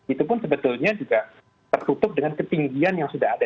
itu pun sebetulnya juga tertutup dengan ketinggian yang sudah ada